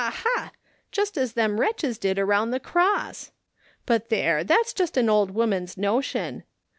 Aha !' just as them wretclies did around the cross. But there, that's just an old ■woman's notion.